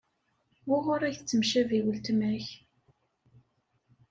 Wuɣur ay tettemcabi weltma-k?